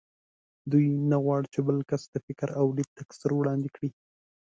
دوی نه غواړ چې بل کس د فکر او لید تکثر وړاندې کړي